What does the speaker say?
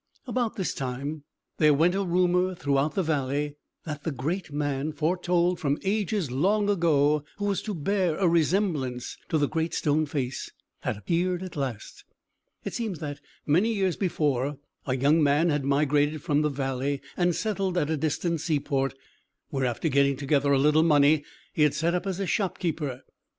About this time, there went a rumour throughout the valley, that the great man, foretold from ages long ago, who was to bear a resemblance to the Great Stone Face, had appeared at last. It seems that, many years before, a young man had migrated from the valley and settled at a distant seaport, where, after getting together a little money, he had set up as a shopkeeper.